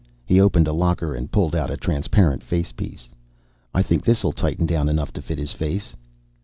He opened a locker and pulled out a transparent facepiece. "I think this'll tighten down enough to fit his face."